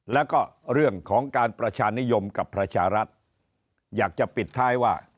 แล้วก็เรื่องของการประชานิยมกับประชารัฐอยากจะปิดท้ายว่า